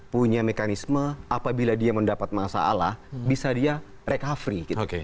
punya mekanisme apabila dia mendapat masalah bisa dia recovery gitu